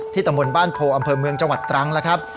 ตำบลบ้านโพอำเภอเมืองจังหวัดตรังแล้วครับ